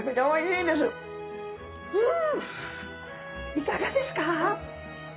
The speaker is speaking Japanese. いかがですか？